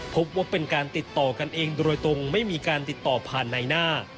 พบว่าเป็นการติดต่อกันเองโดยตรงไม่มีการติดต่อผ่านในหน้า